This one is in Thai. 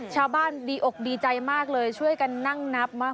ชาวบ้านดีอกดีใจมากเลยช่วยกันนั่งนับมาก